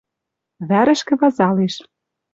Вӓрӹшкӹ вазалеш.